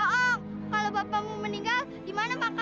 doang kalau bapakmu meninggal gimana makamnya